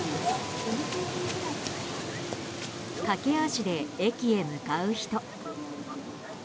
駆け足で駅へ向かう人。